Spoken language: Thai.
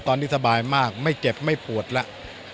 ตอนนี้สบายมากไม่เจ็บไม่ปวดแล้ว